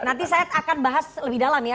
nanti saya akan bahas lebih dalam ya